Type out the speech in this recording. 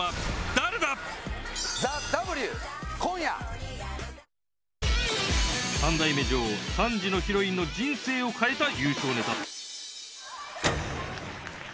丕劭蓮キャンペーン中３代目女王、３時のヒロインの人生を変えた優勝ネタ。